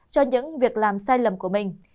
cho những việc làm sai lầm của mình